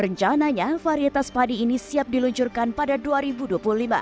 rencananya varietas padi ini akan menjadi padi yang lebih tahan perubahan cuaca sejak dua ribu dua puluh